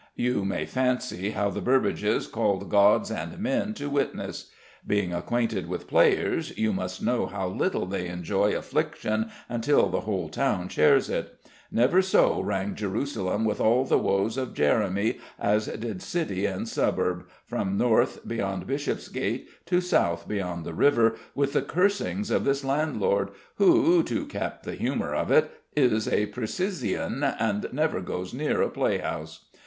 You may fancy how the Burbages called gods and men to witness. Being acquainted with players, you must know how little they enjoy affliction until the whole town shares it. Never so rang Jerusalem with all the woes of Jeremy as did City and suburb, from north beyond Bishopsgate to south along the river, with the cursings of this landlord, who to cap the humour of it is a precisian, and never goes near a playhouse.